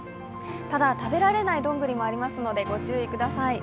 ただ、食べられないどんぐりもありますので、ご注意ください。